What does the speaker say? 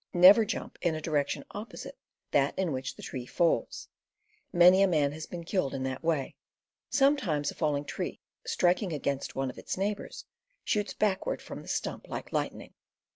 Never jump in a direction opposite that in which the tree falls. Many a man has been killed in that way. Sometimes a falling tree, striking against one of its neighbors, shoots backward from the stump like lightning.